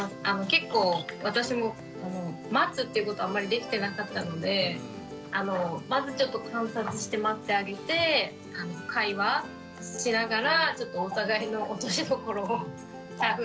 結構私も待つっていうことあんまりできてなかったのでまずちょっと観察して待ってあげて会話しながらちょっとお互いの落としどころを探っていきたいなと思っています。